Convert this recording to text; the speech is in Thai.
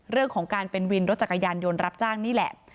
เรื่องของการเป็นวินรถจักรยานยนต์รับจ้างนี่แหละ